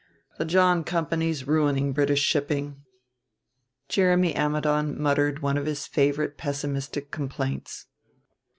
The John Company's ruining British shipping." Jeremy Ammidon muttered one of his favorite pessimistic complaints.